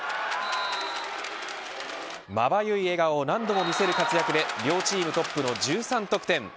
まばゆい笑顔を何度も見せる活躍で両チームトップの１３得点。